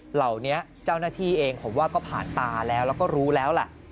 เหล่านี้เจ้าหน้าที่เองผมว่าก็ผ่านตาแล้วแล้วก็รู้แล้วแหละ